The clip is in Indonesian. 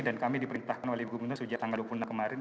dan kami diperintahkan oleh bumnu sejak tanggal dua puluh enam kemarin